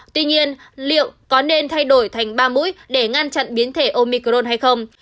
tuy nhiên liệu có nên thay đổi thành ba mũi để ngăn chặn biến thể omicron hay không